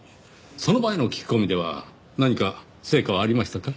その前の聞き込みでは何か成果はありましたか？